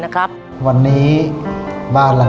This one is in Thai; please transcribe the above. ขอบคุณมากครับ